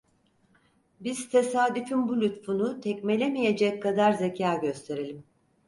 Biz tesadüfün bu lütfunu tekmelemeyecek kadar zekâ gösterelim…